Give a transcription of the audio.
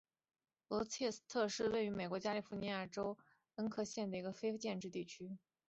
杰斯特罗是位于美国加利福尼亚州克恩县的一个非建制地区。